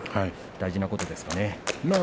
大事なことですかね。